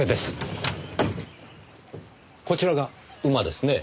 こちらが馬ですね。